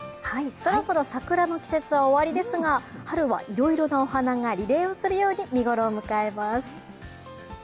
そろそろ桜の季節は終わりですが春はいろいろなお花がリレーをするように見頃を迎えます。